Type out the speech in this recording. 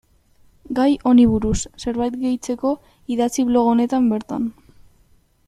Gai honi buruz zerbait gehitzeko idatzi blog honetan bertan.